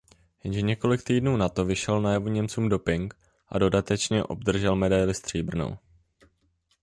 Jenže několik týdnů na to vyšel najevo Němcům doping a dodatečně obdržel medaili stříbrnou.